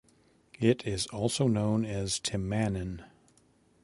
It also known as Timanan.